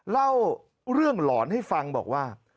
เล่าเรื่องหลอนให้ฟังบอกว่า